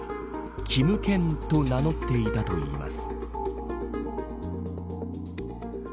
キムケンと名乗っていたといいます。